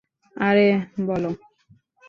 আরে, বল?